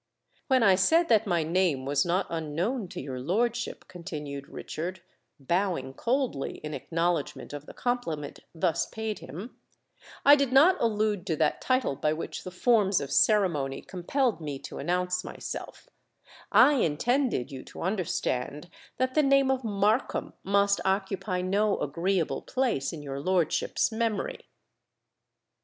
"When I said that my name was not unknown to your lordship," continued Richard, bowing coldly in acknowledgment of the compliment thus paid him, "I did not allude to that title by which the forms of ceremony compelled me to announce myself: I intended you to understand that the name of Markham must occupy no agreeable place in your lordship's memory."